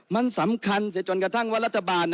มันสำคัญเสียจนกระทั่งว่ารัฐบาล